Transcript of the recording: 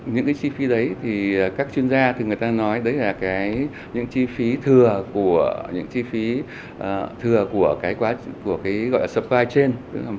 những cái chi phí đấy thì các chuyên gia thì người ta nói đấy là những chi phí thừa của những chi phí thừa của cái gọi là suppy trên